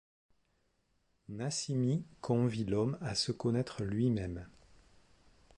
Nassimi convie l’homme à se connaître lui-même.